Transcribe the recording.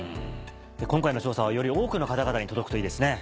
今回の調査はより多くの方々に届くといいですね。